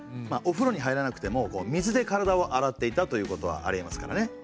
お風呂に入らなくても水で体を洗っていたということはありえますからね。